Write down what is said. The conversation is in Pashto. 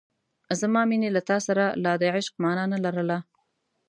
زما مینې له تا سره لا د عشق مانا نه لرله.